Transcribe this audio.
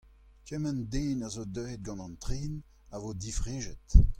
Kement den a zo deuet gant an tren a vo difrejet.